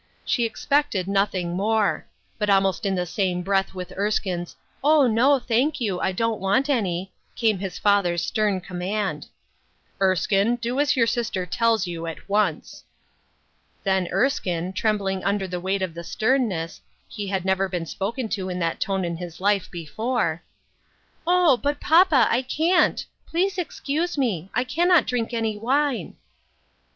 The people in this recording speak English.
She expected nothing more ; but almost in the same breath with Erskine's " O, no ! thank you ; I don't want any," came his father's stern com mand, —" Erskine, do as your sister tells you, at once !" Then Erskine, trembling under the weight of the sternness — he had never been spoken to in that tone in his life before, —" Oh ! but, papa, I can't ; please excuse me : I cannot drink any wine."